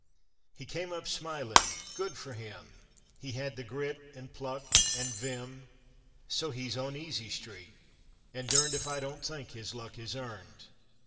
He came up smilin' good fer him! He had th' grit an' pluck an' vim, So he's on Easy Street, an' durned If I don't think his luck is earned!